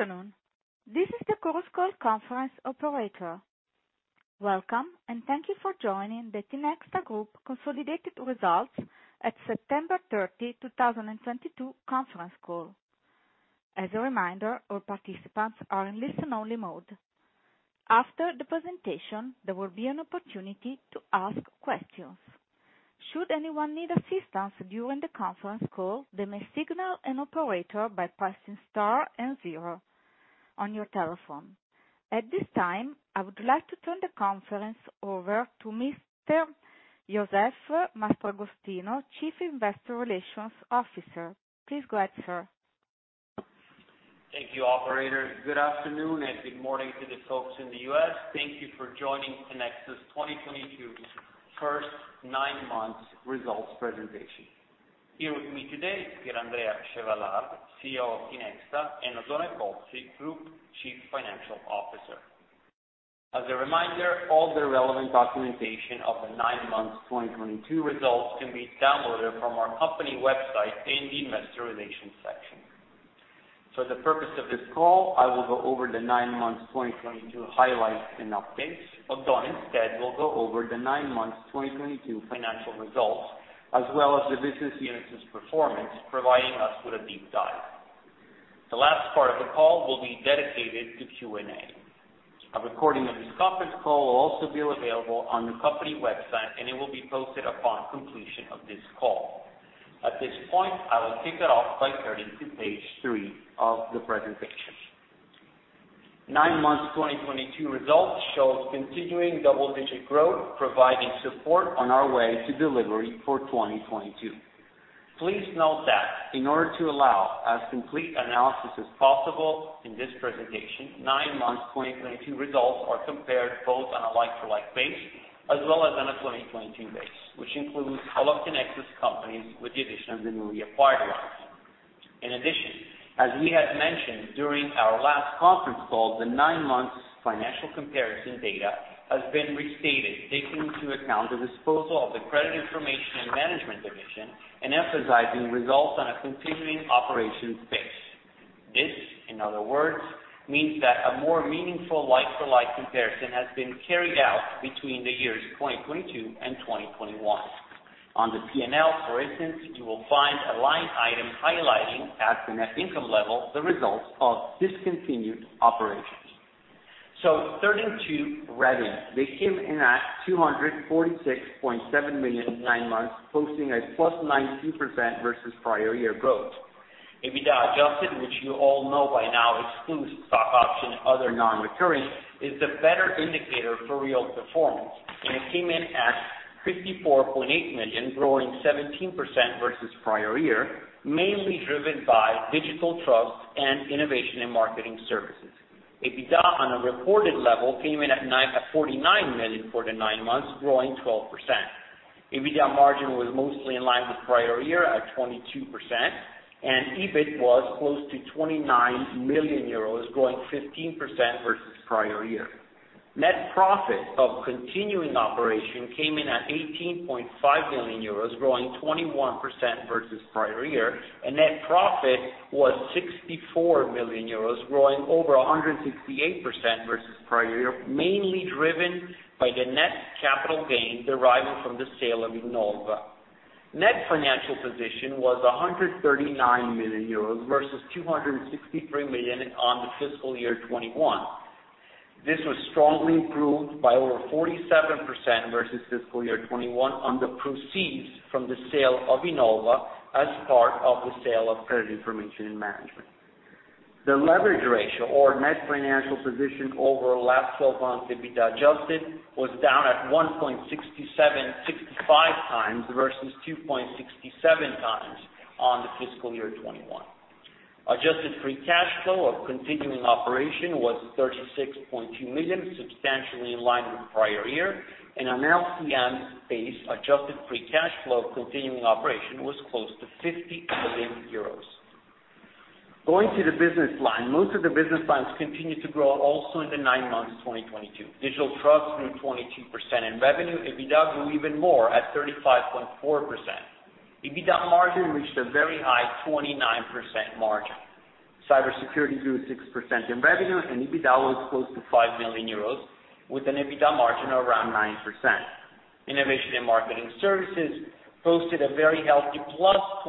Good afternoon. This is the Chorus Call conference operator. Welcome, and thank you for joining the Tinexta Group consolidated results at September 30, 2022 conference call. As a reminder, all participants are in listen-only mode. After the presentation, there will be an opportunity to ask questions. Should anyone need assistance during the conference call, they may signal an operator by pressing star and zero on your telephone. At this time, I would like to turn the conference over to Mr. Josef Mastragostino, Chief Investor Relations Officer. Please go ahead, sir. Thank you, operator. Good afternoon, and good morning to the folks in the US. Thank you for joining Tinexta's 2022 first nine months results presentation. Here with me today is Pier Andrea Chevallard, CEO of Tinexta, and Oddone Pozzi, Group Chief Financial Officer. As a reminder, all the relevant documentation of the nine months 2022 results can be downloaded from our company website in the investor relations section. For the purpose of this call, I will go over the nine months 2022 highlights and updates. Oddone instead will go over the nine months 2022 financial results as well as the business units' performance, providing us with a deep dive. The last part of the call will be dedicated to Q&A. A recording of this conference call will also be available on the company website, and it will be posted upon completion of this call. At this point, I will kick it off by turning to page 3 of the presentation. 9 months 2022 results shows continuing double-digit growth, providing support on our way to delivery for 2022. Please note that in order to allow as complete analysis as possible in this presentation, 9 months 2022 results are compared both on a like-for-like basis as well as on a 2022 basis, which includes all of Tinexta's companies with the addition of the newly acquired ones. In addition, as we had mentioned during our last conference call, the 9 months financial comparison data has been restated, taking into account the disposal of the Credit Information and Management division and emphasizing results on a continuing operations basis. This, in other words, means that a more meaningful like-for-like comparison has been carried out between the years 2022 and 2021. On the P&L, for instance, you will find a line item highlighting at the net income level the results of discontinued operations. Turning to revenue, they came in at 246.7 million in nine months, posting +19% versus prior year growth. EBITDA adjusted, which you all know by now excludes stock option other non-recurring, is the better indicator for real performance, and it came in at 54.8 million, growing 17% versus prior year, mainly driven by Digital Trust and Innovation & Marketing Services. EBITDA on a reported level came in at 49 million for the nine months, growing 12%. EBITDA margin was mostly in line with prior year at 22%, and EBIT was close to 29 million euros, growing 15% versus prior year. Net profit of continuing operation came in at 18.5 million euros, growing 21% versus prior year, and net profit was 64 million euros, growing over 168% versus prior year, mainly driven by the net capital gains deriving from the sale of Innolva. Net financial position was 139 million euros versus 263 million on the fiscal year 2021. This was strongly improved by over 47% versus fiscal year 2021 on the proceeds from the sale of Innolva as part of the sale of Credit Information and Management. The leverage ratio or net financial position over LTM of EBITDA adjusted was down at 1.67x versus 2.67x on the fiscal year 2021. Adjusted free cash flow of continuing operations was 36.2 million, substantially in line with prior year, and on LTM basis, adjusted free cash flow of continuing operations was close to 50 million euros. Going to the business line, most of the business lines continued to grow also in the nine months 2022. Digital Trust grew 22% in revenue. EBITDA grew even more at 35.4%. EBITDA margin reached a very high 29% margin. Cybersecurity grew 6% in revenue, and EBITDA was close to 5 million euros with an EBITDA margin of around 9%. Innovation and marketing services posted a very healthy +27%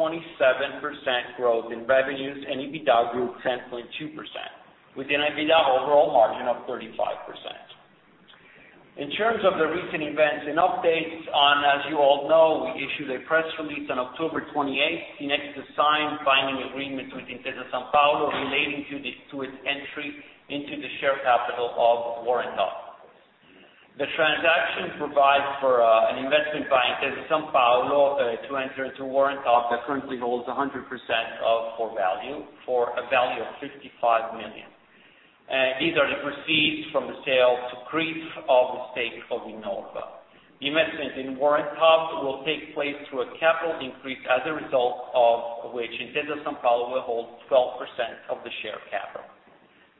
growth in revenues, and EBITDA grew 10.2% with an EBITDA overall margin of 35%. In terms of the recent events and updates, as you all know, we issued a press release on October 28. Tinexta signed binding agreement with Intesa Sanpaolo relating to its entry into the share capital of Warrant Hub. The transaction provides for an investment by Intesa Sanpaolo to enter into Warrant Hub that currently holds 100% of For Value for a value of 55 million. These are the proceeds from the sale to CRIF of the stake of Innolva. The investment in Warrant Hub will take place through a capital increase as a result of which Intesa Sanpaolo will hold 12% of the share capital.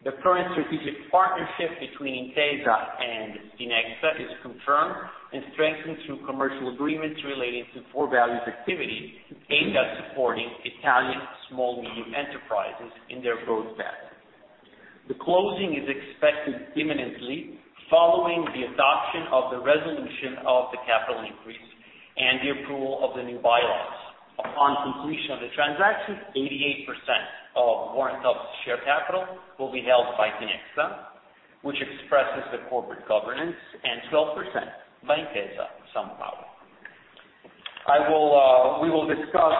The current strategic partnership between Intesa and Tinexta is confirmed and strengthened through commercial agreements relating to For Value's activities aimed at supporting Italian small medium enterprises in their growth path. The closing is expected imminently, following the adoption of the resolution of the capital increase and the approval of the new bylaws. Upon completion of the transaction, 88% of Warrant Hub's share capital will be held by Tinexta, which expresses the corporate governance, and 12% by Intesa Sanpaolo. We will discuss,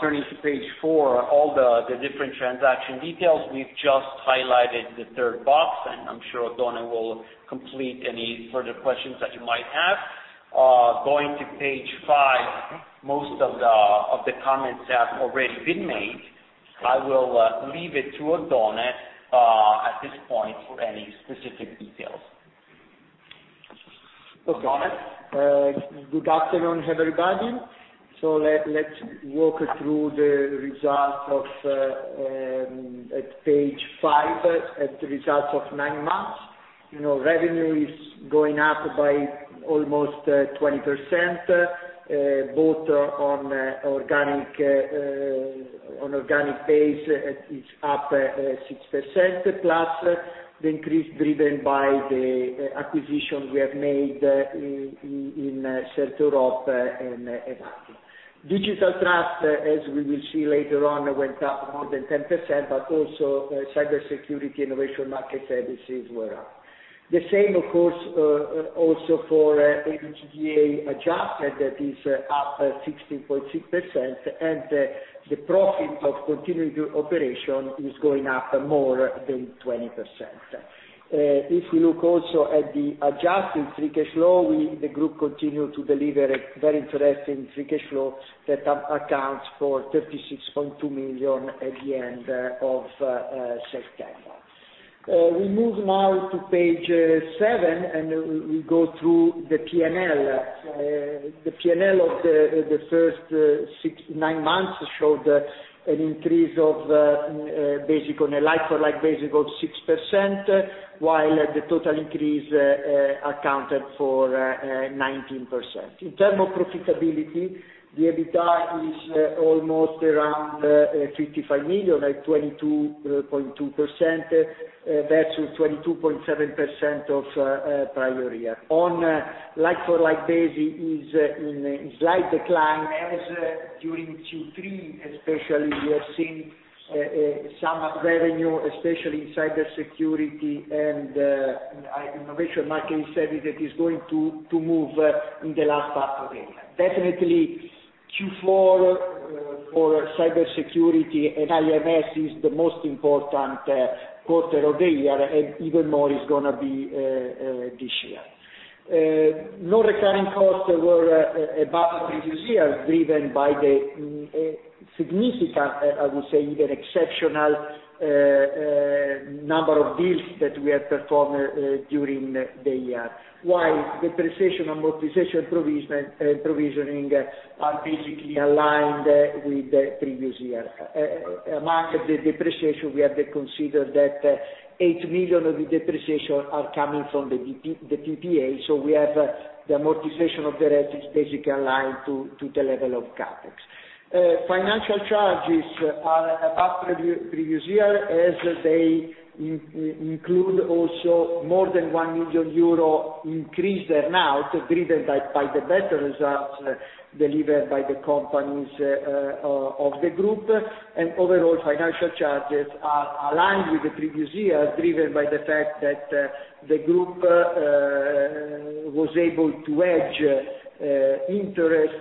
turning to page four, all the different transaction details. We've just highlighted the third box, and I'm sure Oddone will complete any further questions that you might have. Going to page five, most of the comments have already been made. I will leave it to Oddone at this point for any specific details. Oddone. Good afternoon, everybody. Let's walk through the results at page five, the results of nine months. You know, revenue is going up by almost 20%, both on organic pace, it's up 6%, plus the increase driven by the acquisition we have made in CertEurope and e-Value. Digital Trust, as we will see later on, went up more than 10%, but also Cybersecurity, Innovation & Marketing Services were up. The same, of course, also for EBITDA adjusted, that is up 16.6%, and the profit of continuing operation is going up more than 20%. If we look also at the adjusted free cash flow, we, the group continue to deliver a very interesting free cash flow that accounts for 36.2 million at the end of September. We move now to page 7, and we go through the P&L. The P&L of the first nine months showed an increase of, on a like-for-like basis of 6%, while the total increase accounted for 19%. In terms of profitability, the EBITDA is almost around 55 million at 22.2%, versus 22.7% of prior year. On a like-for-like basis is in a slight decline as during Q3 especially, we have seen some revenue, especially in cybersecurity and Innovation & Marketing Services that is going to move in the last part of the year. Definitely Q4 for cybersecurity and IMS is the most important quarter of the year, and even more is gonna be this year. Non-recurring costs were above the previous year, driven by the significant, I would say even exceptional, number of deals that we have performed during the year, while depreciation and amortization provisioning are basically aligned with the previous year. Among the depreciation, we have to consider that 8 million of the depreciation are coming from the PPA, so we have the amortization of the rest basically aligned to the level of CapEx. Financial charges are above previous year as they include also more than 1 million euro increase there now, driven by the better results delivered by the companies of the group. Overall, financial charges are aligned with the previous year, driven by the fact that the group was able to hedge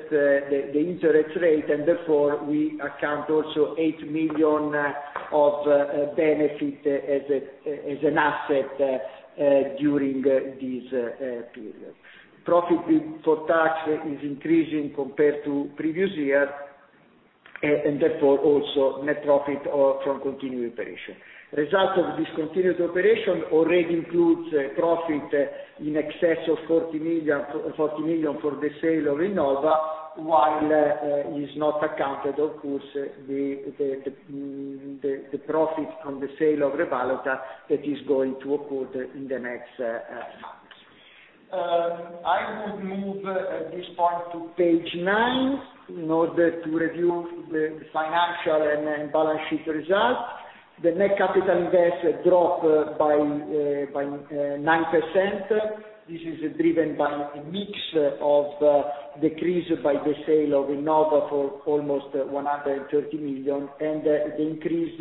the interest rate, and therefore we account also 8 million of benefit as an asset during this period. Profit before tax is increasing compared to previous year and therefore also net profit from continuing operations. Results of discontinued operation already includes a profit in excess of 40 million, forty million for the sale of Innolva, while is not accounted, of course, the profit from the sale of ReValuta that is going to occur in the next months. I would move at this point to page 9 in order to review the financial and balance sheet results. The net capital investment drop by 9%. This is driven by a mix of decrease by the sale of Innolva for almost 130 million, and the increase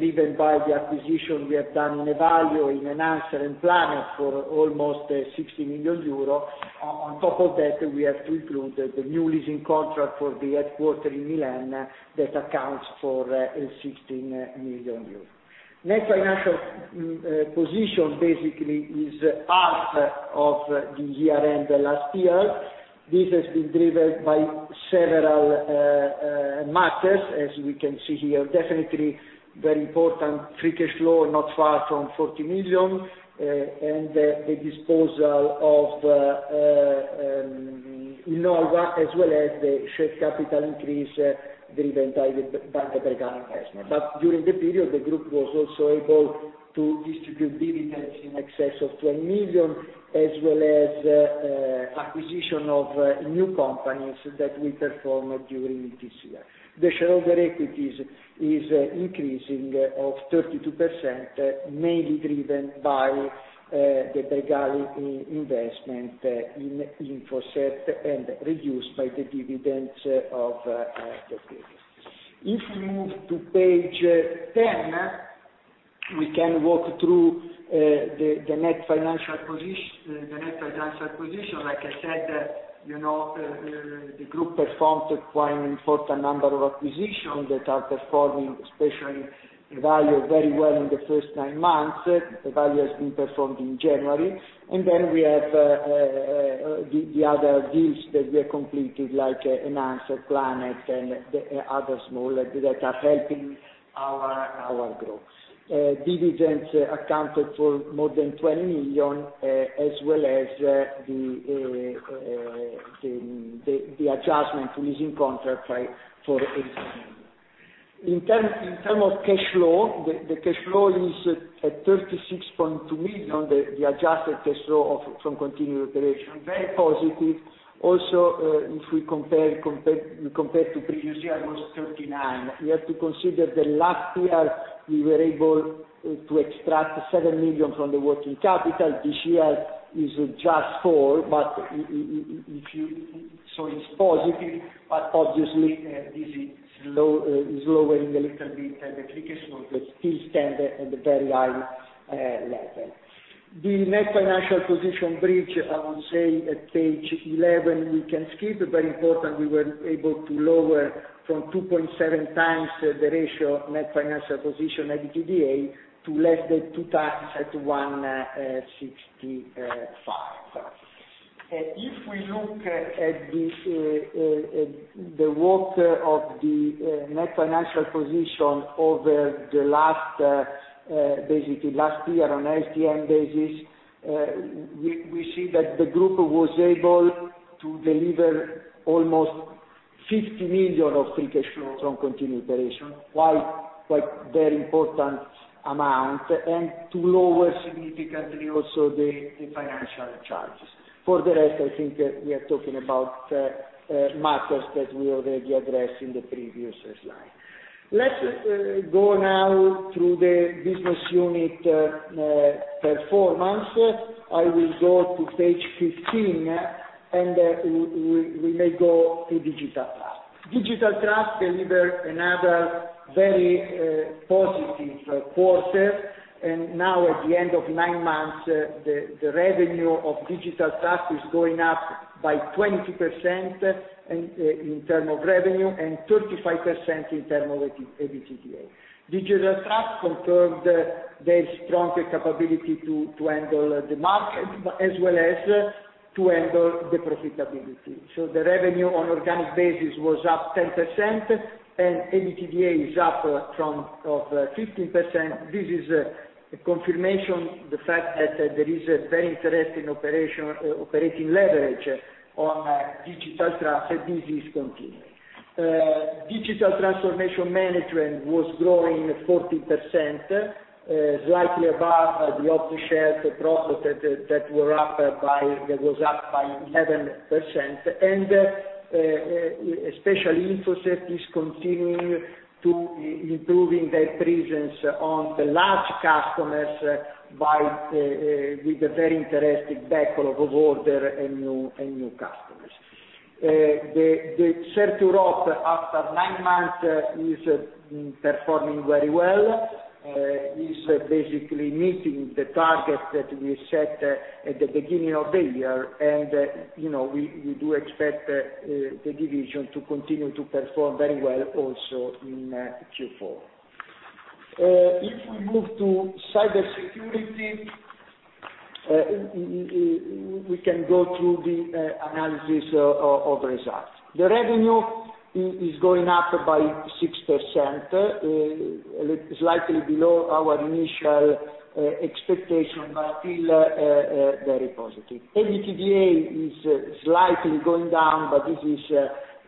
driven by the acquisition we have done in e-Value, Enhancers and Plannet for almost 60 million euro. On top of that, we have to include the new leasing contract for the headquarters in Milan that accounts for 16 million euros. Net financial position basically is half of the year-end last year. This has been driven by several matters, as we can see here, definitely very important. Free cash flow, not far from 40 million, and the disposal of Innolva, as well as the share capital increase, driven by the Bregal investment. During the period, the group was also able to distribute dividends in excess of 20 million, as well as acquisition of new companies that we perform during this year. The shareholders' equity is increasing by 32%, mainly driven by the Bregal investment in InfoCert and reduced by the dividends. If we move to page ten, we can walk through the net financial position. Like I said, you know, the group performed quite an important number of acquisitions that are performing, especially e-Value, very well in the first nine months. The e-Value has been performed in January. Then we have the other deals that we have completed, like Enhancers, Plannet and the other small that are helping our growth. Dividends accounted for more than 20 million, as well as the adjustment to leasing contract for 18. In terms of cash flow, the cash flow is at 36.2 million. The adjusted cash flow of some continuing operations, very positive. Also, if we compare to previous year was 39. We have to consider the last year, we were able to extract 7 million from the working capital. This year is just 4 million. If you... So it's positive, but obviously, this is lowering a little bit. The free cash flow still stand at the very high level. The net financial position bridge, I would say at page 11, we can skip. Important, we were able to lower from 2.7 times the ratio net financial position EBITDA to less than two times at 1.65. If we look at this, the work of the net financial position over the last basically last year on LTM basis, we see that the group was able to deliver almost 50 million of free cash flow from continued operations, quite very important amount, and to lower significantly also the financial charges. For the rest, I think that we are talking about matters that we already addressed in the previous slide. Let's go now through the business unit performance. I will go to page 15, and we may go to Digital Trust. Digital Trust deliver another very positive quarter. Now at the end of nine months, the revenue of Digital Trust is going up by 20% in terms of revenue and 35% in terms of EBITDA. Digital Trust confirmed their stronger capability to handle the market, but as well as to handle the profitability. The revenue on organic basis was up 10%, and EBITDA is up from 15%. This is a confirmation, the fact that there is a very interesting operating leverage on Digital Trust, and this is continuing. Digital transformation management was growing 40%, slightly above the off-the-shelf products that were up by 11%. Especially InfoCert is continuing to improve their presence on the large customers by with a very interesting backlog of orders and new customers. The CertEurope after nine months is performing very well, basically meeting the target that we set at the beginning of the year. You know, we do expect the division to continue to perform very well also in Q4. If we move to cybersecurity, we can go through the analysis of results. The revenue is going up by 6%, slightly below our initial expectation, but still very positive. EBITDA is slightly going down, but this is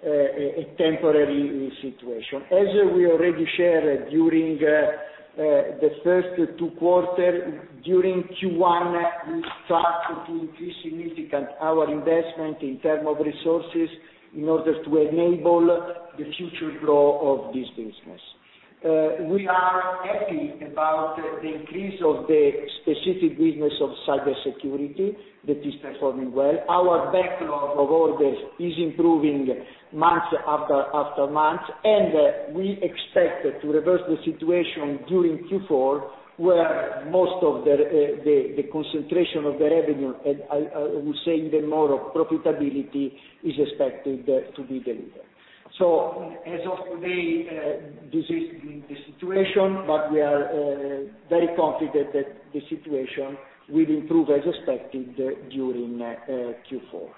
a temporary situation. As we already shared during the first two quarters, during Q1, we started to increase significantly our investment in terms of resources in order to enable the future growth of this business. We are happy about the increase of the specific business of cybersecurity. That is performing well. Our backlog of orders is improving month after month. We expect to reverse the situation during Q4, where most of the concentration of the revenue, I will say in the model profitability, is expected to be delivered. As of today, this is the situation, but we are very confident that the situation will improve as expected during Q4.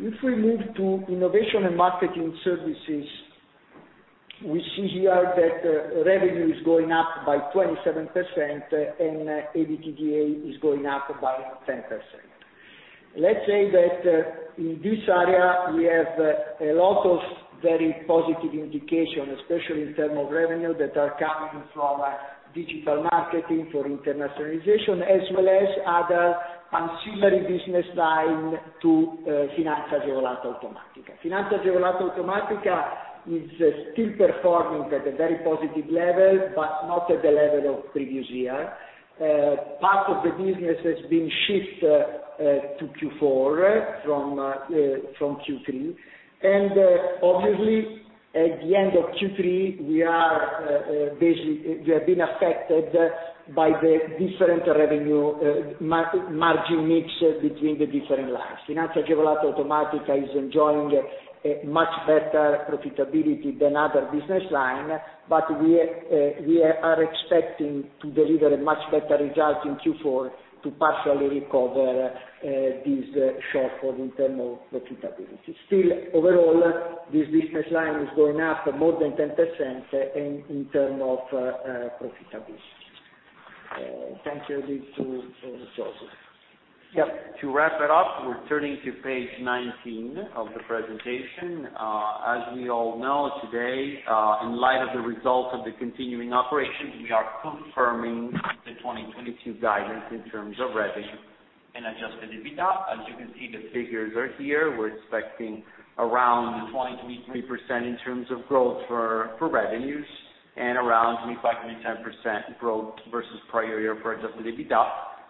If we move to Innovation & Marketing Services. We see here that revenue is going up by 27% and EBITDA is going up by 10%. Let's say that in this area we have a lot of very positive indication, especially in term of revenue that are coming from digital marketing for internationalization as well as other ancillary business line to Finanza Agevolata Automatica. Finanza Agevolata Automatica is still performing at a very positive level, but not at the level of previous year. Part of the business has been shift to Q4 from Q3. Obviously at the end of Q3, we are basically we have been affected by the different revenue margin mix between the different lines. Finanza Agevolata Automatica is enjoying a much better profitability than other business line, but we are expecting to deliver a much better result in Q4 to partially recover this shortfall in terms of profitability. Still, overall, this business line is going up more than 10% in terms of profitability. Thank you. Thanks to Josef. Yep. To wrap it up, we're turning to page 19 of the presentation. As we all know today, in light of the results of the continuing operations, we are confirming the 2022 guidance in terms of revenue and adjusted EBITDA. As you can see, the figures are here. We're expecting around 20%-23% in terms of growth for revenues and around 25.10% growth versus prior year for adjusted EBITDA,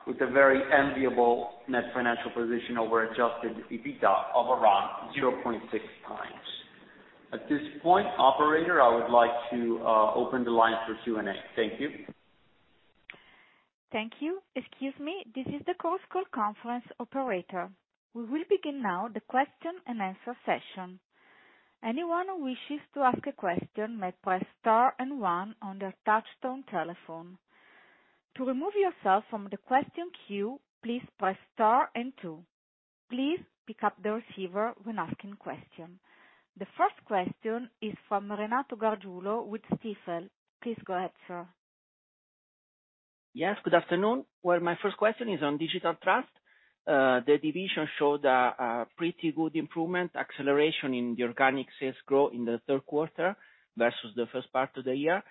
with a very enviable net financial position over adjusted EBITDA of around 0.6 times. At this point, operator, I would like to open the line for Q&A. Thank you. Thank you. Excuse me. This is the Chorus Call conference operator. We will begin now the question and answer session. Anyone who wishes to ask a question may press star and one on their touchtone telephone. To remove yourself from the question queue, please press star and two. Please pick up the receiver when asking question. The first question is from Renato Gargiulo with Stifel. Please go ahead, sir. Yes, good afternoon. Well, my first question is on Digital Trust. The division showed a pretty good improvement, acceleration in the organic sales growth in the third quarter versus the first part of the year.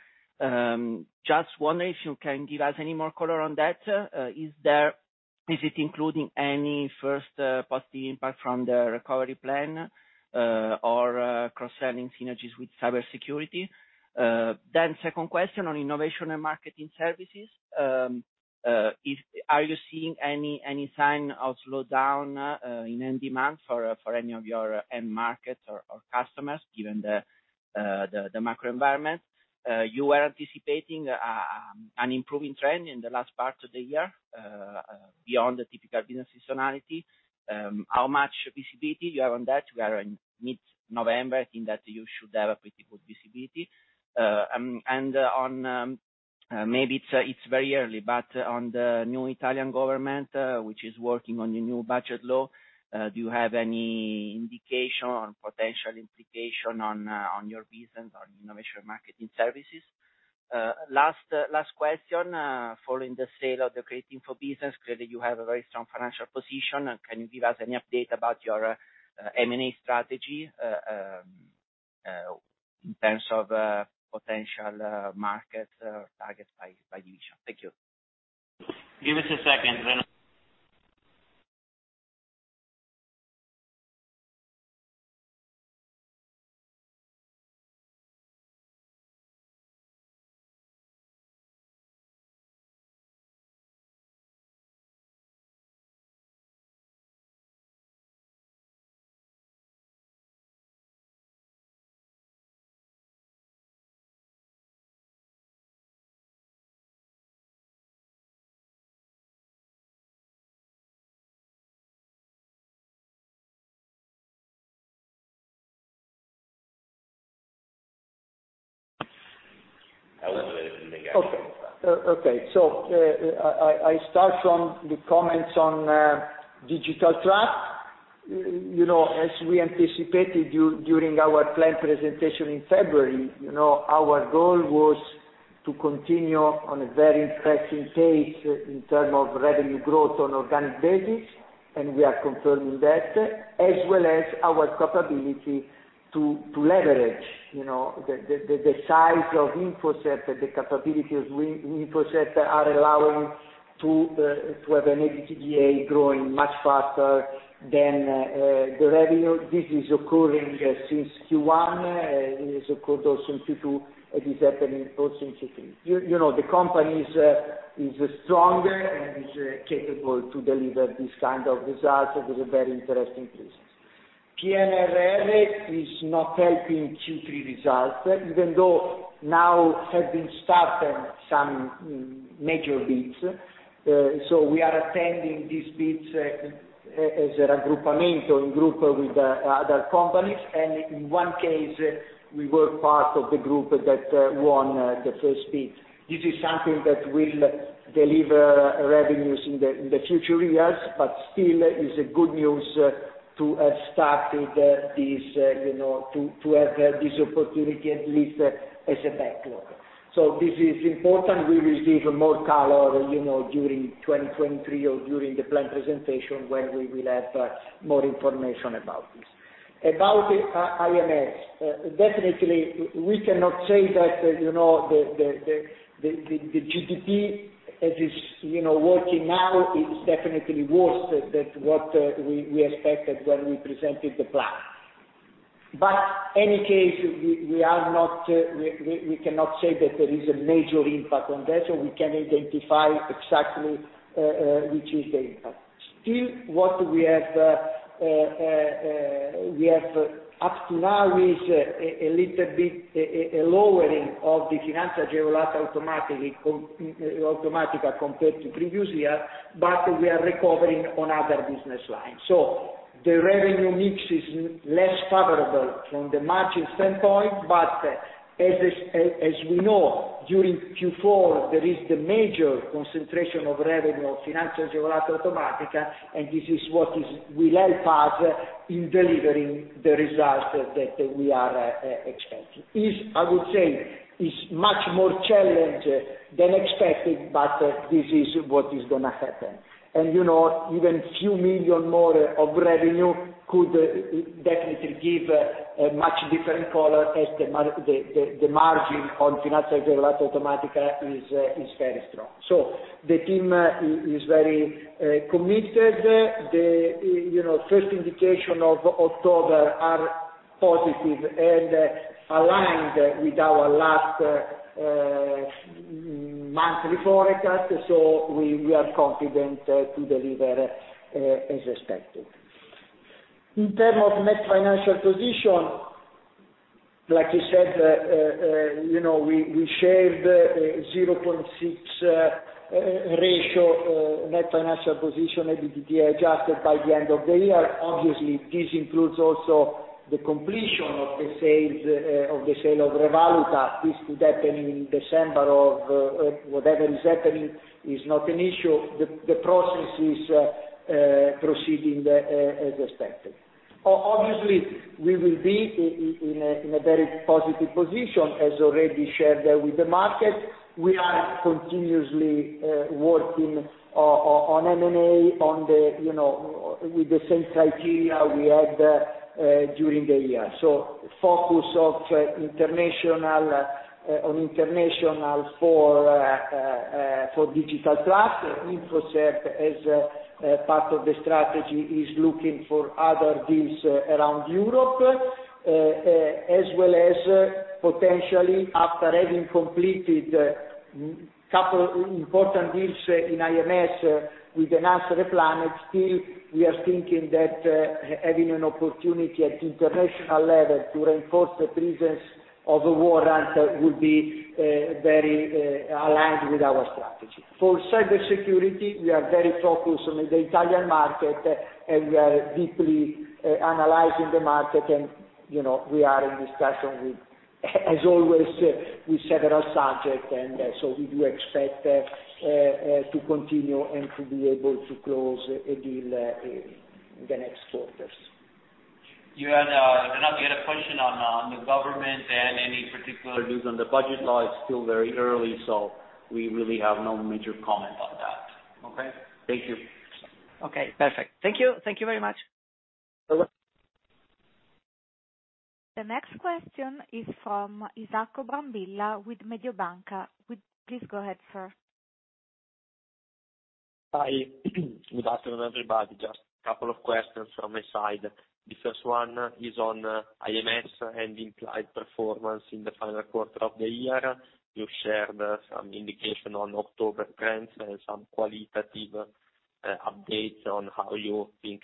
Just wondering if you can give us any more color on that. Is it including any first positive impact from the recovery plan, or concerning synergies with cybersecurity? Second question on Innovation & Marketing Services. Are you seeing any sign of slowdown in end demand for any of your end markets or customers given the macro environment? You were anticipating an improving trend in the last part of the year beyond the typical business seasonality. How much visibility you have on that? We are in mid-November. I think that you should have a pretty good visibility. Maybe it's very early, but on the new Italian government, which is working on the new budget law, do you have any indication on potential implication on your business on Innovation & Marketing Services? Last question, following the sale of the Credit Information & Management, clearly you have a very strong financial position. Can you give us any update about your M&A strategy in terms of potential market targets by division? Thank you. Give us a second, Renato. Okay. I start from the comments on Digital Trust. You know, as we anticipated during our plan presentation in February, you know, our goal was to continue on a very impressive pace in terms of revenue growth on organic basis, and we are confirming that, as well as our capability to leverage, you know, the size of InfoCert, the capability of InfoCert are allowing to have an EBITDA growing much faster than the revenue. This is occurring since Q1. It has occurred also in Q2, and it's happening also in Q3. You know, the company is stronger and is capable to deliver this kind of results. It is a very interesting business. PNRR is not helping Q3 results, even though now have been started some major bids. We are attending these bids, as a raggruppamento, in group with other companies, and in one case we were part of the group that won the first bid. This is something that will deliver revenues in the future years, but still is a good news to have started this, you know, to have this opportunity at least as a backlog. This is important. We will give more color, you know, during 2023 or during the plan presentation when we will have more information about this. About IMS, definitely we cannot say that, you know, the GDP as is, you know, working now is definitely worse than what we expected when we presented the plan. In any case, we are not, we cannot say that there is a major impact on that, so we can identify exactly which is the impact. Still, what we have up to now is a little bit a lowering of the Finanza Agevolata Automatica compared to previous year, but we are recovering on other business lines. The revenue mix is less favorable from the margin standpoint, but as we know, during Q4, there is the major concentration of revenue of Finanza Agevolata Automatica, and this is what will help us in delivering the results that we are expecting. It is, I would say, much more challenged than expected, but this is what is gonna happen. You know, even few million more of revenue could definitely give a much different color as the margin on Finanza Agevolata Automatica is very strong. The team is very committed. You know, the first indication of October are positive and aligned with our last monthly forecast. We are confident to deliver as expected. In terms of net financial position, like you said, you know, we shared a 0.6 ratio net financial position EBITDA adjusted by the end of the year. Obviously, this includes also the completion of the sale of ReValuta. This could happen in December, whatever is happening is not an issue. The process is proceeding as expected. Obviously, we will be in a very positive position, as already shared with the market. We are continuously working on M&A, you know, with the same criteria we had during the year. Focus on international for Digital Trust, Infosec, as a part of the strategy, is looking for other deals around Europe, as well as potentially after having completed a couple important deals in IMS with Enhancers and Plannet. We are thinking that having an opportunity at international level to reinforce the presence of Warrant Hub will be very aligned with our strategy. For cybersecurity, we are very focused on the Italian market, and we are deeply analyzing the market. You know, we are in discussion with, as always, with several subjects. We do expect to continue and to be able to close a deal in the next quarters. You had, Renato, you had a question on the government and any particular views on the budget law. It's still very early, so we really have no major comment on that. Okay. Thank you. Okay. Perfect. Thank you. Thank you very much. You're welcome. The next question is from Isacco Brambilla with Mediobanca. Please go ahead, sir. Hi. Good afternoon, everybody. Just a couple of questions from my side. The first one is on IMS and implied performance in the final quarter of the year. You shared some indication on October trends and some qualitative updates on how you think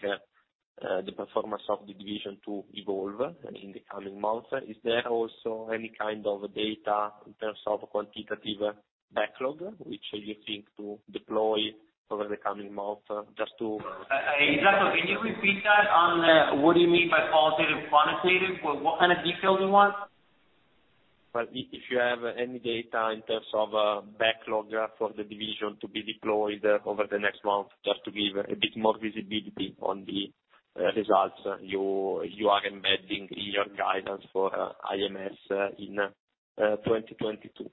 the performance of the division to evolve in the coming months. Is there also any kind of data in terms of quantitative backlog, which you think to deploy over the coming months just to? Isacco, can you repeat that on, what do you mean by qualitative, quantitative? What kind of details you want? Well, if you have any data in terms of backlog for the division to be deployed over the next month, just to give a bit more visibility on the results you are embedding in your guidance for IMS in 2022.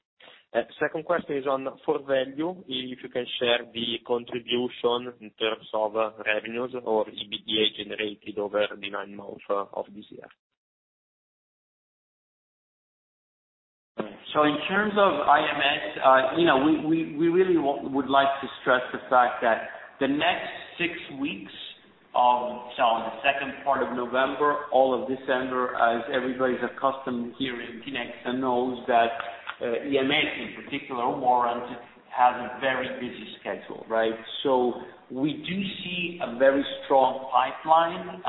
Second question is on For Value, if you can share the contribution in terms of revenues or EBITDA generated over the nine months of this year. In terms of IMS, we would like to stress the fact that the second part of November, all of December, as everybody's accustomed here in Tinexta knows that, IMS in particular, Warrant, has a very busy schedule, right? We do see a very strong pipeline.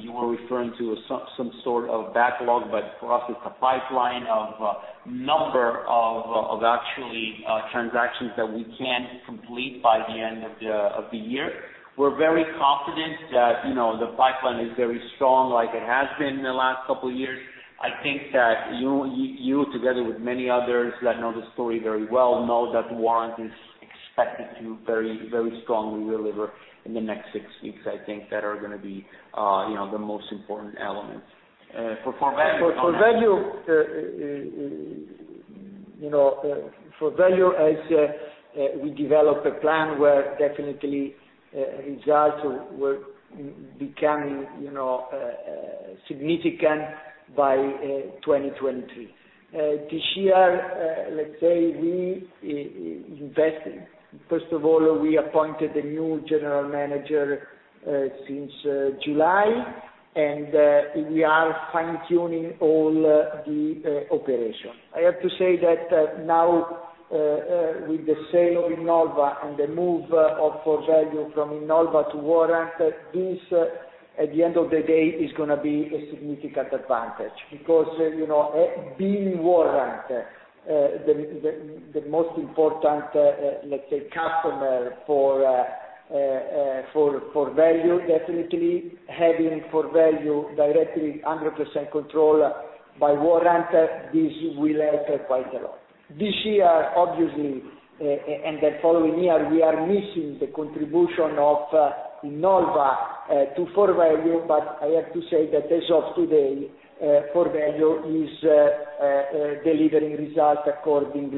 You were referring to some sort of backlog, but for us, it's a pipeline of a number of transactions that we can complete by the end of the year. We're very confident that the pipeline is very strong, like it has been the last couple of years. I think that you together with many others that know the story very well, know that Warrant is Expected to very, very strongly deliver in the next six weeks, I think that are gonna be, you know, the most important elements. For For Value, you know, For Value as we develop a plan where definitely results will becoming, you know, significant by 2020. This year, let's say we invest. First of all, we appointed a new general manager since July, and we are fine-tuning all the operation. I have to say that now with the sale of Innolva and the move of For Value from Innolva to Warrant, this, at the end of the day, is gonna be a significant advantage. Because, you know, being Warrant the most important, let's say customer for For Value, definitely having For Value directly 100% controlled by Warrant, this will help quite a lot. This year, obviously, and the following year, we are missing the contribution of Innolva to For Value, but I have to say that as of today, For Value is delivering results according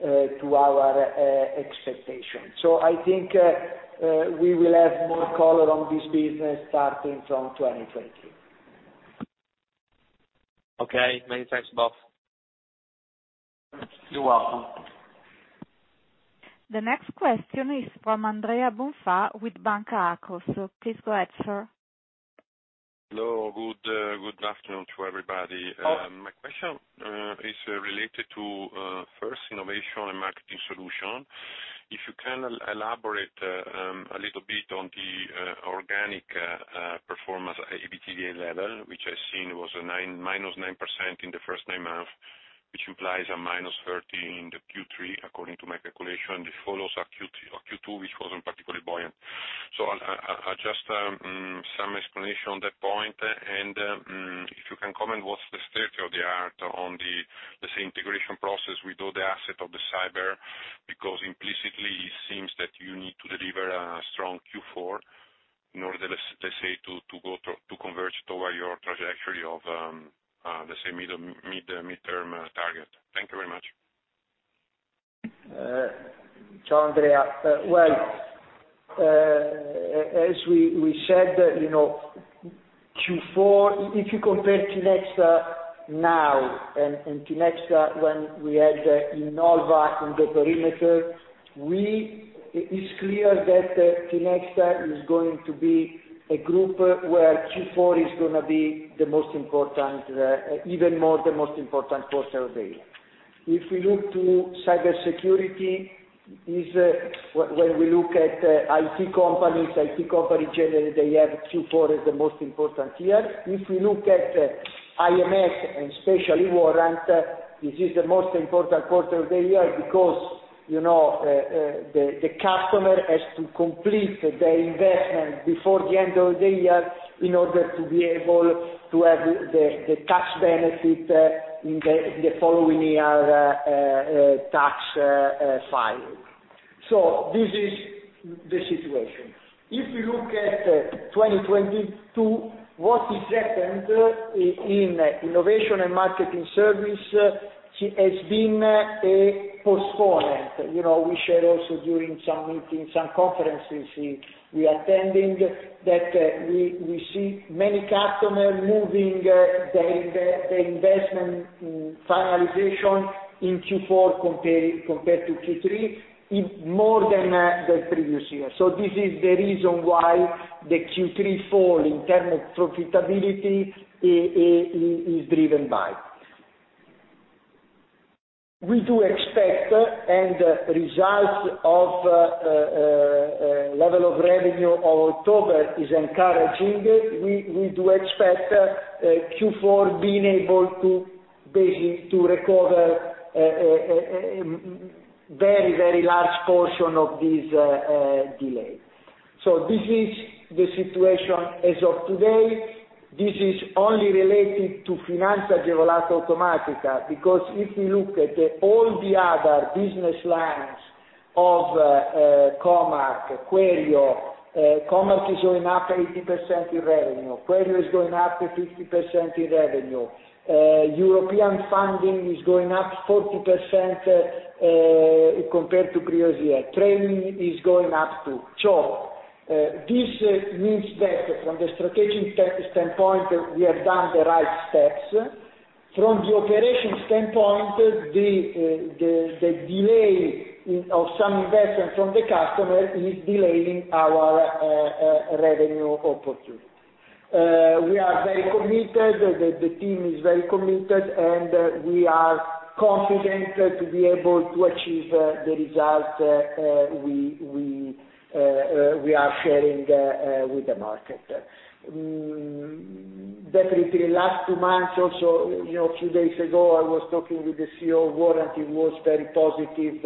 to our expectation. I think we will have more color on this business starting from 2020. Okay. Many thanks, Bob. You're welcome. The next question is from Andrea Bonfà with Banca Akros. Please go ahead, sir. Hello. Good afternoon to everybody. Oh. My question is related to Innovation & Marketing Services. If you can elaborate a little bit on the organic performance EBITDA level, which I've seen was -9% in the first nine months, which implies a -13% in the Q3, according to my calculation. It follows a Q2, which wasn't particularly buoyant. Some explanation on that point. If you can comment on what's the state of the art on this integration process with all the assets of the cybersecurity, because implicitly, it seems that you need to deliver a strong Q4 in order, let's say, to converge toward your trajectory of the, say, mid-term target. Thank you very much. Andrea. Well, as we said that, you know, Q4. If you compare Tinexta now and Tinexta when we had Innolva in the perimeter, it's clear that Tinexta is going to be a group where Q4 is gonna be the most important, even more the most important quarter of the year. If we look to cybersecurity, when we look at IT companies generally, they have Q4 as the most important year. If we look at IMS and especially Warrant, this is the most important quarter of the year because, you know, the customer has to complete the investment before the end of the year in order to be able to have the tax benefit in the following year, tax filed. This is the situation. If you look at 2022, what has happened in Innovation and Marketing Services has been postponed. You know, we shared also during some meetings, some conferences we attending, that we see many customer moving their investment finalization in Q4 compared to Q3, in more than the previous year. This is the reason why the Q3 fall in terms of profitability is driven by. We do expect, and results of level of revenue of October is encouraging. We do expect Q4 being able to basically recover very large portion of this delay. This is the situation as of today. This is only related to Finanza Agevolata Automatica, because if we look at all the other business lines of Co.Mark, Queryo, Co.Mark is going up 80% in revenue. Queryo is going up 50% in revenue. European funding is going up 40%, compared to previous year. Training is going up, too. This means that from the strategic standpoint, we have done the right steps. From the operation standpoint, the delay of some investment from the customer is delaying our revenue opportunity. We are very committed. The team is very committed, and we are confident to be able to achieve the results we are sharing with the market. Definitely last two months also, you know, a few days ago, I was talking with the CEO of Warrant. He was very positive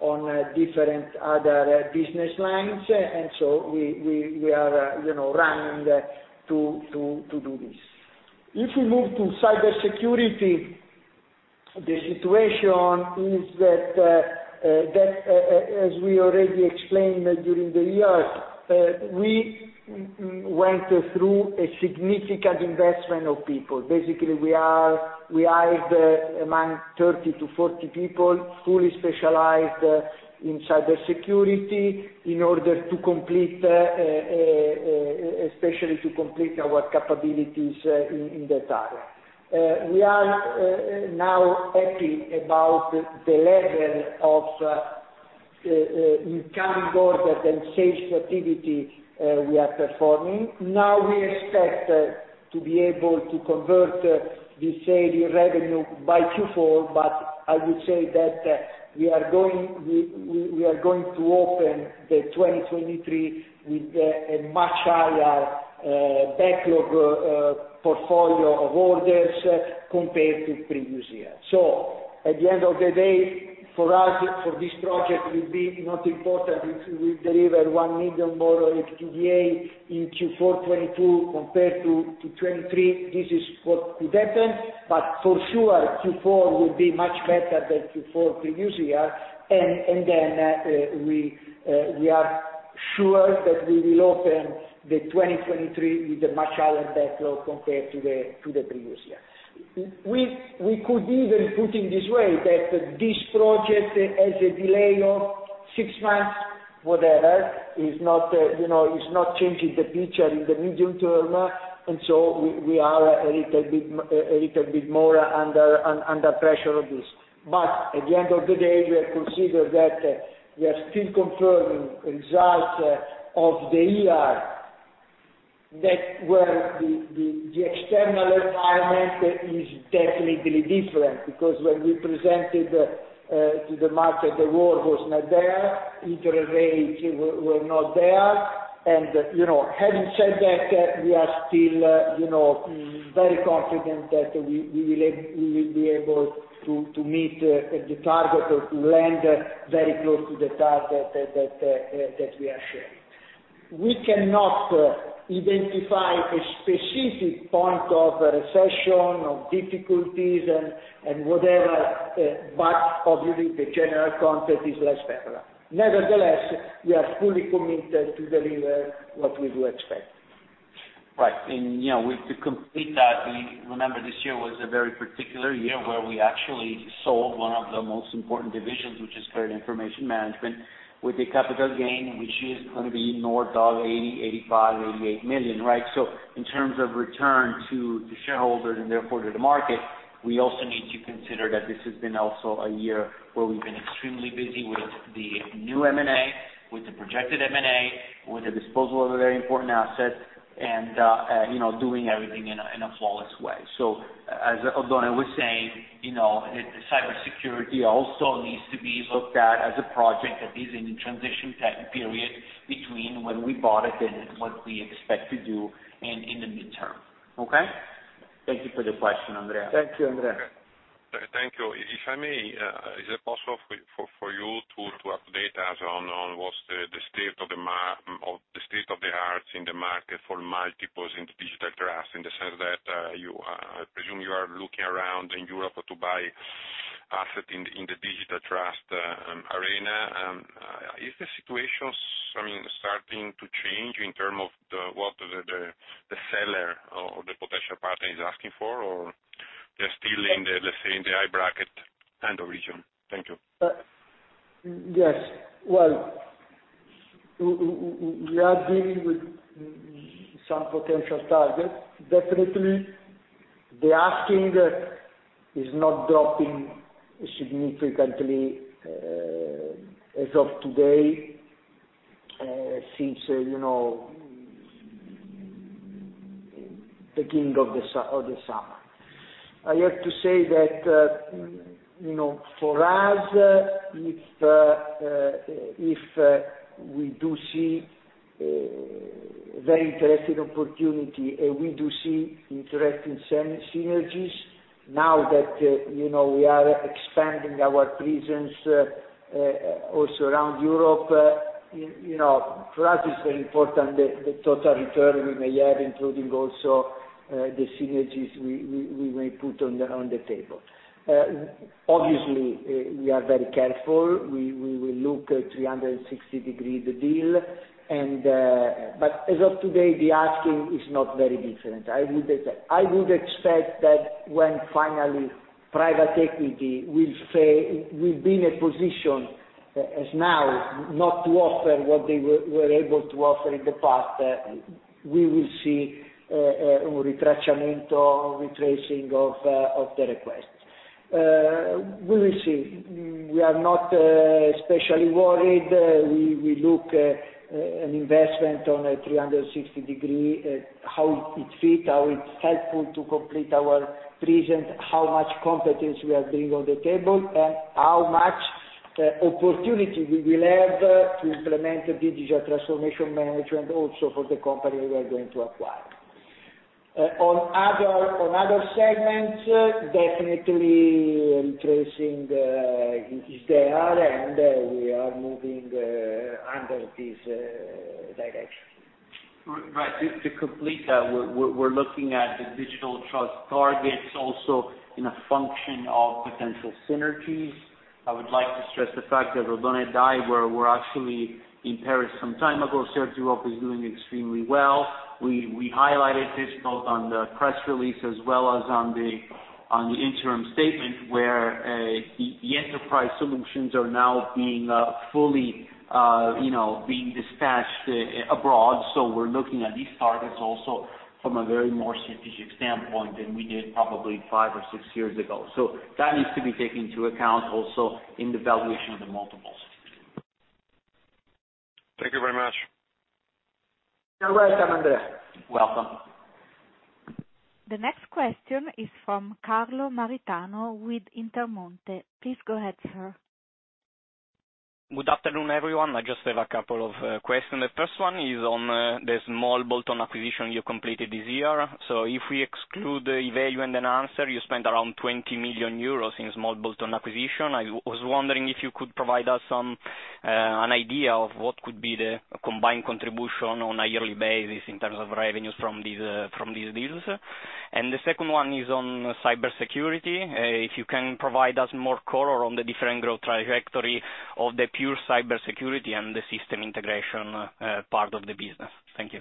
on different other business lines. We are, you know, running to do this. If we move to cybersecurity. The situation is that, as we already explained during the year, we went through a significant investment of people. Basically, we hired among 30-40 people, fully specialized in cybersecurity in order to complete, especially to complete our capabilities in that area. We are now happy about the level of incoming orders and sales activity we are performing. Now we expect to be able to convert the sales in revenue by Q4, but I would say that we are going to open the 2023 with a much higher backlog portfolio of orders compared to previous year. At the end of the day, for us, for this project will be not important if we deliver 1 million more of EBITDA in Q4 2022 compared to 2023. This is what could happen. For sure, Q4 will be much better than Q4 previous year. We are sure that we will open the 2023 with a much higher backlog compared to the previous year. We could even put in this way, that this project has a delay of six months, whatever. It's not, you know, it's not changing the picture in the medium term, and so we are a little bit more under pressure of this. At the end of the day, we have considered that we are still confirming results of the year that were the external environment is definitely different. Because when we presented to the market, the war was not there, interest rates were not there. You know, having said that, we are still, you know, very confident that we will be able to meet the target or to land very close to the target that we are sharing. We cannot identify a specific point of recession or difficulties and whatever, but obviously the general context is less better. Nevertheless, we are fully committed to deliver what we do expect. Right. You know, with to complete that, we remember this year was a very particular year where we actually sold one of the most important divisions, which is Credit Information & Management, with a capital gain, which is gonna be north of 80 million, 85 million, 88 million, right? In terms of return to the shareholders and therefore to the market, we also need to consider that this has been also a year where we've been extremely busy with the new M&A, with the projected M&A, with the disposal of a very important asset, and you know, doing everything in a flawless way. As Oddone was saying, you know, the cybersecurity also needs to be looked at as a project that is in transition period between when we bought it and what we expect to do in the midterm. Okay? Thank you for the question, Andrea. Thank you, Andrea. Thank you. If I may, is it possible for you to update us on what's the state of the art in the market for multiples in the Digital Trust, in the sense that, I presume you are looking around in Europe to buy asset in the Digital Trust arena. Is the situation, I mean, starting to change in terms of what the seller or the potential partner is asking for, or they're still in the, let's say, in the high bracket kind of region? Thank you. Yes. Well, we are dealing with some potential targets. Definitely the asking is not dropping significantly, as of today, since, you know, beginning of the summer. I have to say that, you know, for us, if we do see very interesting opportunity and we do see interesting synergies now that, you know, we are expanding our presence also around Europe, you know, for us it's very important the total return we may have, including also the synergies we may put on the table. Obviously, we are very careful. We will look at 360-degree the deal. As of today, the asking is not very different. I would expect that when finally private equity will be in a position as now not to offer what they were able to offer in the past, we will see retracement or retracing of the request. We will see. We are not especially worried. We look at an investment on a 360-degree, how it fit, how it's helpful to complete our presence, how much competence we are bringing on the table, and how much opportunity we will have to implement the digital transformation management also for the company we are going to acquire. On other segments, definitely retracing this year, and we are moving under this direction. Right. To complete that, we're looking at the Digital Trust targets also in a function of potential synergies. I would like to stress the fact that CertEurope, where we were actually in Paris some time ago, CertEurope is doing extremely well. We highlighted this both on the press release as well as on the interim statement where the Enterprise Solutions are now being fully dispatched abroad. We're looking at these targets also from a much more strategic standpoint than we did probably five or six years ago. That needs to be taken into account also in the valuation of the multiples. Thank you very much. You're welcome. You're welcome. The next question is from Carlo Maritano with Intermonte. Please go ahead, sir. Good afternoon, everyone. I just have a couple of questions. The first one is on the small bolt-on acquisition you completed this year. If we exclude the value in Enhancers, you spent around 20 million euros in small bolt-on acquisition. I was wondering if you could provide us some an idea of what could be the combined contribution on a yearly basis in terms of revenues from these from these deals. The second one is on cybersecurity. If you can provide us more color on the different growth trajectory of the pure cybersecurity and the system integration part of the business. Thank you.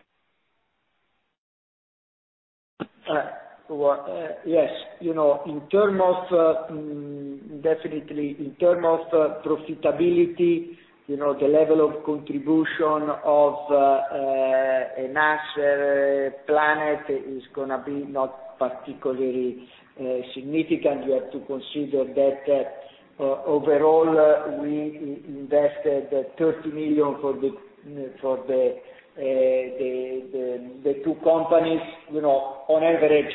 Well, yes. You know, in terms of, definitely in terms of, profitability, you know, the level of contribution of Enhancers, Plannet, is gonna be not particularly significant. You have to consider that, overall, we invested 30 million for the two companies, you know, on average,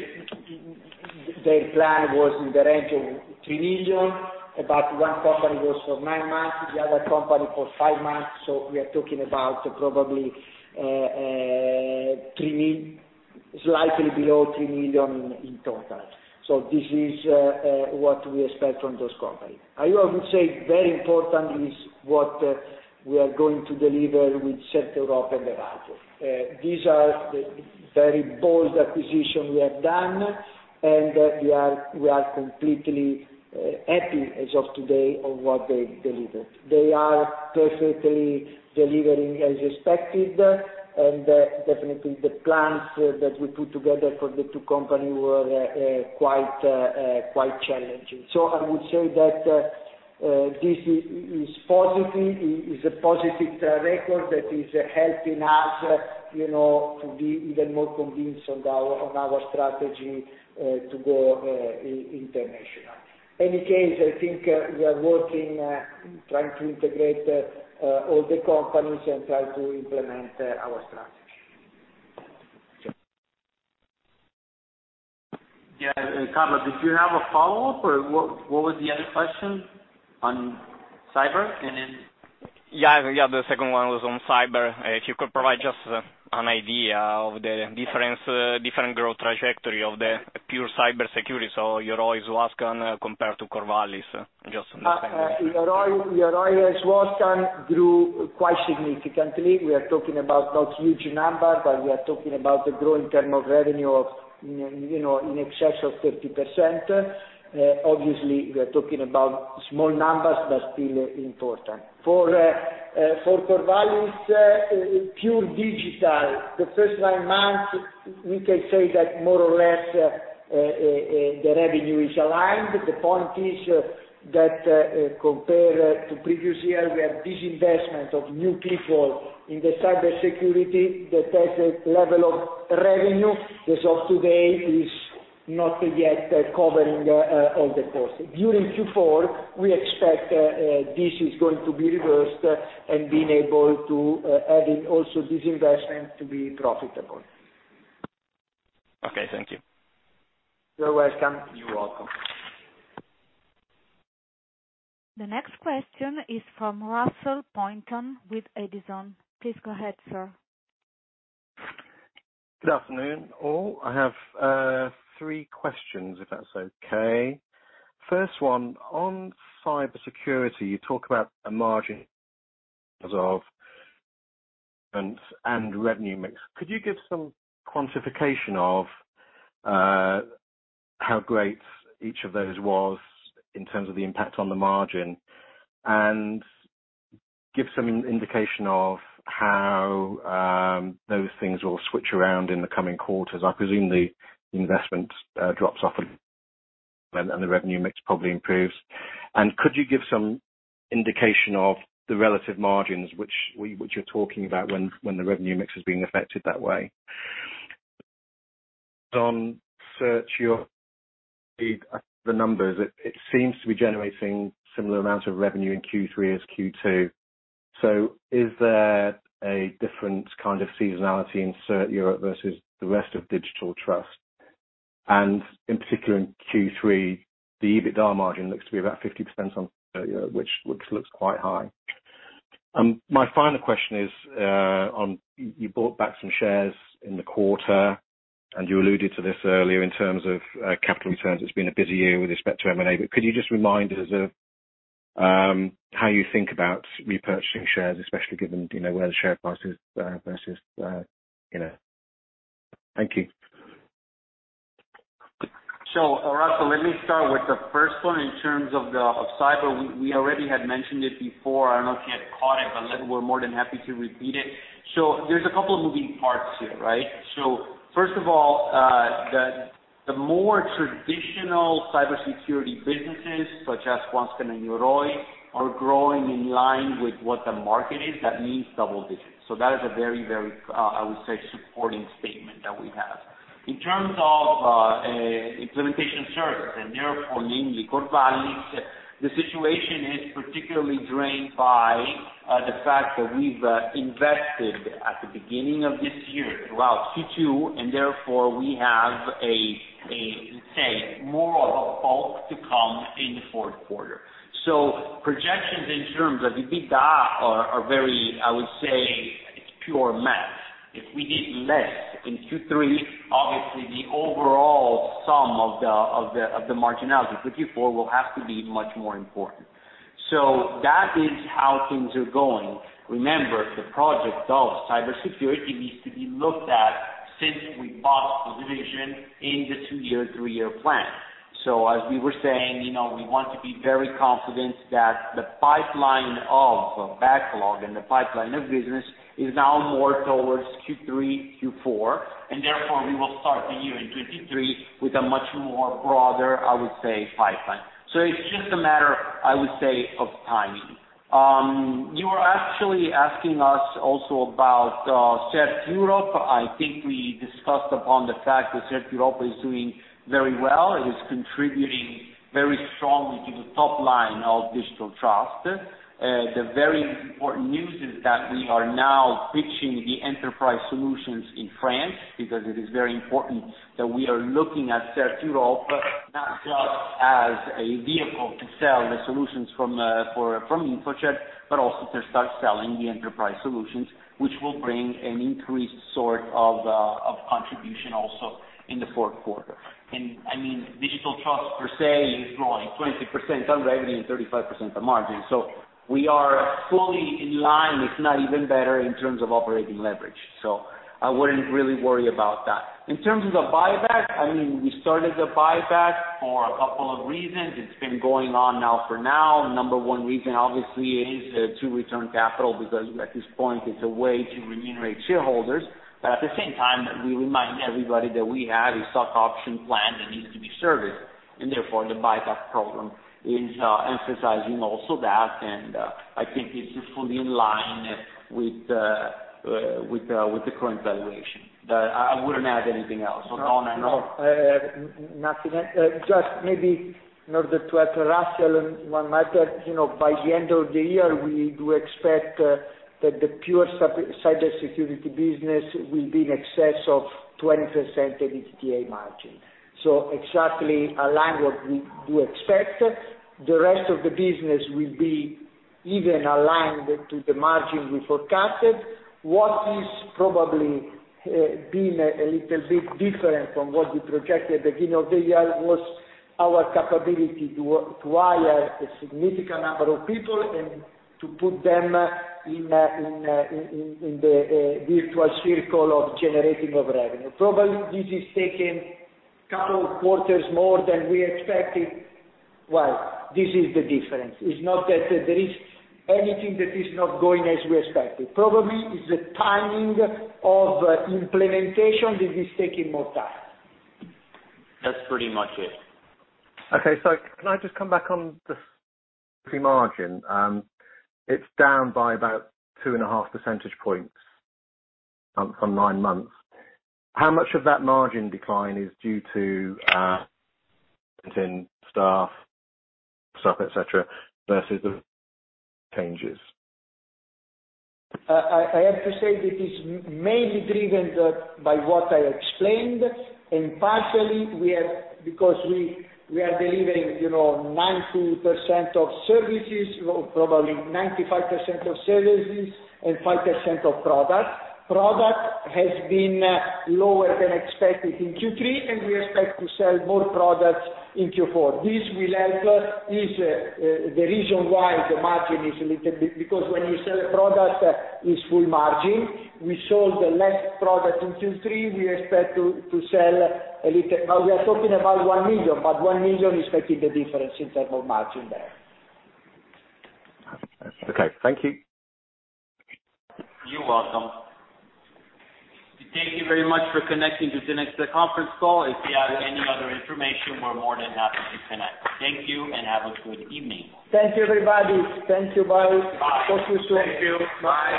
their plan was in the range of 3 million, but one company was for nine months, the other company for five months. We are talking about probably, slightly below 3 million in total. This is what we expect from those companies. I would say very important is what we are going to deliver with CertEurope and Visura. These are very bold acquisitions we have done, and we are completely happy as of today with what they delivered. They are perfectly delivering as expected, and definitely the plans that we put together for the two companies were quite challenging. I would say that this is a positive record that is helping us, you know, to be even more convinced on our strategy to go international. In any case, I think we are working, trying to integrate all the companies and try to implement our strategy. Yeah. Carlo, did you have a follow-up or what was the other question? On cyber and then- Yeah. Yeah, the second one was on cyber. If you could provide just an idea of the difference, different growth trajectory of the pure cybersecurity. Yoroi, Swascan compared to Corvallis, just in the same way. Yoroi, Swascan grew quite significantly. We are talking about not huge number, but we are talking about the growth in terms of revenue of, you know, in excess of 30%. Obviously, we are talking about small numbers, but still important. For Corvallis pure digital. The first nine months, we can say that more or less the revenue is aligned. The point is that compared to previous year, we have investment in new people in the cybersecurity that has a level of revenue. As of today is not yet covering all the costs. During Q4, we expect this is going to be reversed and being able to add also investment to be profitable. Okay, thank you. You're welcome. You're welcome. The next question is from Russell Pointon with Edison. Please go ahead, sir. Good afternoon all. I have three questions, if that's okay. First one, on cybersecurity, you talk about a margin resolve and revenue mix. Could you give some quantification of how great each of those was in terms of the impact on the margin? And give some indication of how those things will switch around in the coming quarters. I presume the investment drops off and the revenue mix probably improves. And could you give some indication of the relative margins which you're talking about when the revenue mix is being affected that way? On CertEurope, the numbers, it seems to be generating similar amounts of revenue in Q3 as Q2. Is there a different kind of seasonality in CertEurope versus the rest of Digital Trust? In particular, in Q3, the EBITDA margin looks to be about 50%, which looks quite high. My final question is, you bought back some shares in the quarter, and you alluded to this earlier in terms of capital returns. It's been a busy year with respect to M&A, but could you just remind us of how you think about repurchasing shares, especially given, you know, where the share price is versus, you know. Thank you. Russell, let me start with the first one in terms of cyber. We already had mentioned it before. I don't know if you had caught it, but we're more than happy to repeat it. There's a couple moving parts here, right? First of all, the more traditional cybersecurity businesses, such as Swascan and Yoroi, are growing in line with what the market is. That means double digits. That is a very supporting statement that we have. In terms of implementation service, and therefore, the situation is particularly driven by the fact that we've invested at the beginning of this year throughout Q2, and therefore we have a, let's say, more of a bulk to come in the fourth quarter. Projections in terms of the EBITDA are very, I would say, it's pure math. If we did less in Q3, obviously the overall sum of the marginalities of Q4 will have to be much more important. That is how things are going. Remember, the project of cybersecurity needs to be looked at since we bought the division in the two-year, three-year plan. As we were saying, you know, we want to be very confident that the pipeline of backlog and the pipeline of business is now more towards Q3, Q4, and therefore we will start the year in 2023 with a much more broader, I would say, pipeline. It's just a matter, I would say, of timing. You were actually asking us also about CertEurope. I think we discussed upon the fact that CertEurope is doing very well. It is contributing very strongly to the top line of Digital Trust. The very important news is that we are now pitching the Enterprise Solutions in France because it is very important that we are looking at CertEurope not just as a vehicle to sell the solutions from InfoCert, but also to start selling the Enterprise Solutions, which will bring an increased sort of contribution also in the fourth quarter. I mean, Digital Trust per se is growing 20% on revenue and 35% on margin. We are fully in line, if not even better, in terms of operating leverage. I wouldn't really worry about that. In terms of the buyback, I mean, we started the buyback for a couple of reasons. It's been going on now. Number 1 reason obviously is to return capital, because at this point it's a way to remunerate shareholders. At the same time, we remind everybody that we have a stock option plan that needs to be serviced, and therefore the buyback program is emphasizing also that. I think it's just fully in line with the current valuation. I wouldn't add anything else. Go on, Manuel. Nothing. Just maybe in order to address Russell in one matter, you know, by the end of the year, we do expect that the pure cybersecurity business will be in excess of 20% EBITDA margin. Exactly aligned what we do expect. The rest of the business will be even aligned to the margin we forecasted. What is probably been a little bit different from what we projected at the beginning of the year was our capability to hire a significant number of people and to put them in the virtuous circle of generating of revenue. Probably, this has taken couple of quarters more than we expected. Well, this is the difference. It's not that there is anything that is not going as we expected. Probably is the timing of implementation that is taking more time. That's pretty much it. Okay. Can I just come back on the margin? It's down by about 2.5 percentage points from nine months. How much of that margin decline is due to within staff stuff, et cetera, versus the changes? I have to say this is mainly driven by what I explained, and partially because we are delivering, you know, 90% of services, or probably 95% of services and 5% of product. Product has been lower than expected in Q3, and we expect to sell more products in Q4. This will help. It's the reason why the margin is a little bit because when you sell a product, it's full margin. We sold less product in Q3. We expect to sell a little. But we are talking about 1 million, but 1 million is making the difference in terms of margin there. Okay. Thank you. You're welcome. Thank you very much for connecting to Tinexta conference call. If you have any other information, we're more than happy to connect. Thank you, and have a good evening. Thank you, everybody. Thank you, bye. Bye. Thank you. Bye.